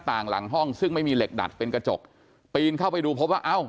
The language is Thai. หลังห้องซึ่งไม่มีเหล็กดัดเป็นกระจกปีนเข้าไปดูพบว่าเอ้า